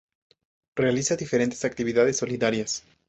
Realiza diferentes actividades solidarias.